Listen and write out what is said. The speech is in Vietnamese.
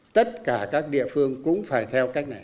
tất cả các địa phương cũng phải theo cách này